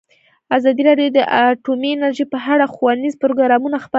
ازادي راډیو د اټومي انرژي په اړه ښوونیز پروګرامونه خپاره کړي.